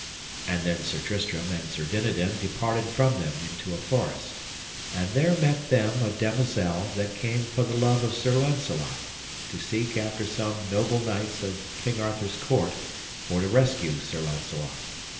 And then Sir Tristram and Sir Dinadan departed from them into a forest, and there met them a damosel that came for the love of Sir Launcelot to seek after some noble knights of King Arthur's court for to rescue Sir Launcelot.